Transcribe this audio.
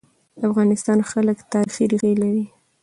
د افغانستان خلک تاریخي ريښه لري.